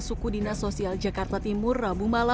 suku dinas sosial jakarta timur rabu malam